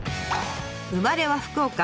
生まれは福岡。